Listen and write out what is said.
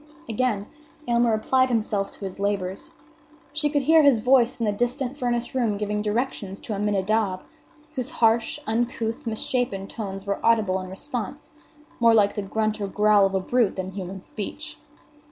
Again Aylmer applied himself to his labors. She could hear his voice in the distant furnace room giving directions to Aminadab, whose harsh, uncouth, misshapen tones were audible in response, more like the grunt or growl of a brute than human speech.